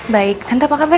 baik tante apa kabar